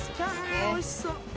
ひゃおいしそう。